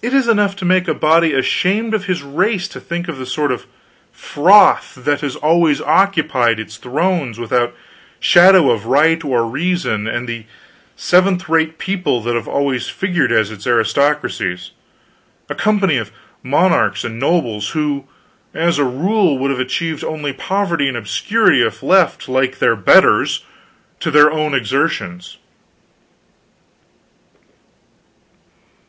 It is enough to make a body ashamed of his race to think of the sort of froth that has always occupied its thrones without shadow of right or reason, and the seventh rate people that have always figured as its aristocracies a company of monarchs and nobles who, as a rule, would have achieved only poverty and obscurity if left, like their betters, to their own exertions.